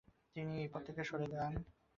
তিনি এই পদ থেকে সরে যান।